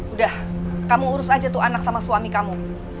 udah kamu urus aja tuh anak sama suami kamu